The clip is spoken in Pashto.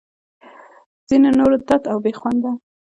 ځینو نورو تت او بې خونده